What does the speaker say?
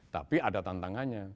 tapi ada tantangannya